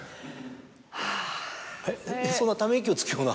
えっそんなため息をつくような。